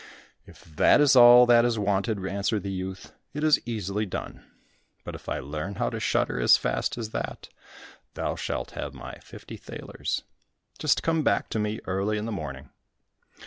"If that is all that is wanted," answered the youth, "it is easily done; but if I learn how to shudder as fast as that, thou shalt have my fifty thalers. Just come back to me early in the morning."